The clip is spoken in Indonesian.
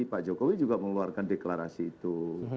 pak jokowi juga mengeluarkan deklarasi itu